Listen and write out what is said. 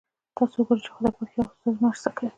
تاسو ګورئ چې خدای پاک یوازې مرسته کوي.